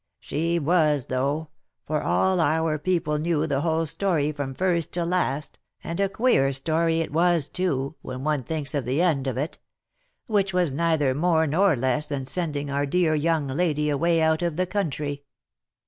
" She was though, for all our people knew the whole story from first to last, and a queer story it was too, when one thinks of the end of it; which was neither more nor less than sending our dear young lady away out of the country."